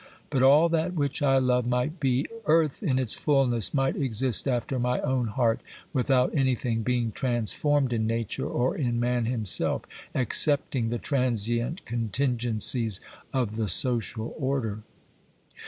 But all that which I love might be, earth in its fulness might exist after my own heart, without anything being transformed in Nature or in man himself, excepting the transient contingencies of the social order.